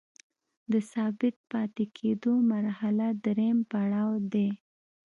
د ثابت پاتې کیدو مرحله دریم پړاو دی.